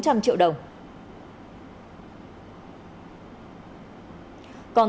còn trong thời gian sinh sống